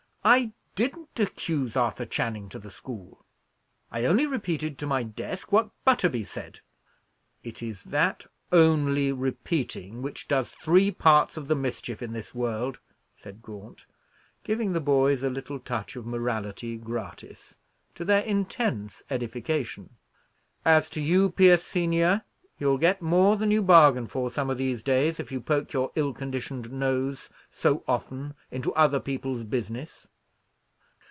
"I didn't accuse Arthur Channing to the school. I only repeated to my desk what Butterby said." "It is that 'only repeating' which does three parts of the mischief in this world," said Gaunt, giving the boys a little touch of morality gratis, to their intense edification. "As to you, Pierce senior, you'll get more than you bargain for, some of these days, if you poke your ill conditioned nose so often into other people's business."